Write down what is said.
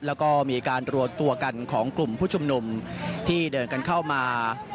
แล้วก็มีการรวมตัวกันของกลุ่มผู้ชุมนุมที่เดินกันเข้ามา